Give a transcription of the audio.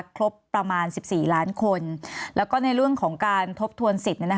ครบประมาณ๑๔ล้านคนแล้วก็ในเรื่องของการทบทวนสิทธิ์